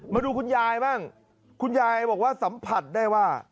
มาดูคุณยายบ้างคุณยายบอกว่าสัมผัสได้ว่า